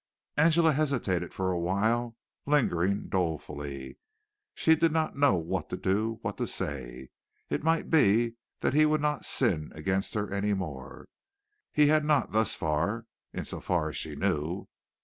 Angela hesitated for a while, lingering dolefully. She did not know what to do, what to say. It might be that he would not sin against her any more. He had not thus far, in so far as she knew.